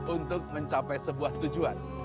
untuk mencapai sebuah tujuan